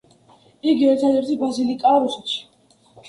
იგი ერთადერთი ბაზილიკაა რუსეთში.